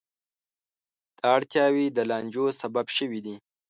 دا اړتیاوې د لانجو سبب شوې دي.